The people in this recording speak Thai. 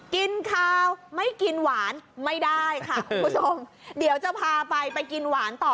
กินข้าวไม่กินหวานไม่ได้ค่ะคุณผู้ชมเดี๋ยวจะพาไปไปกินหวานต่อ